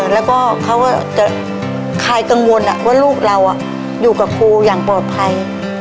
แล้วก็เขาก็จะคลายกังวลว่าลูกเราอยู่กับครูอย่างปลอดภัย